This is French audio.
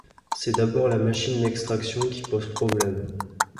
C'est d'abord la machine d'extraction qui pose problème.